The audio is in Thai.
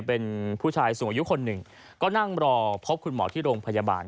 เป็นผู้ชายสูงอายุคนหนึ่งก็นั่งรอพบคุณหมอที่โรงพยาบาล